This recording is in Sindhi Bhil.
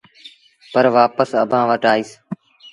پر وآپس اڀآنٚ وٽ آئيٚس۔